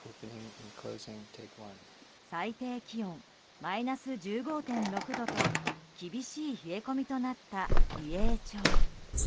最低気温マイナス１５．６度と厳しい冷え込みとなった美瑛町。